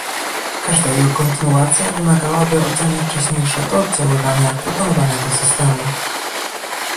Każda jego kontynuacja wymagałaby oceny wcześniejszego oddziaływania proponowanego systemu